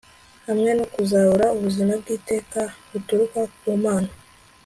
hamwe no kuzabura ubuzima bw'iteka buturuka kumana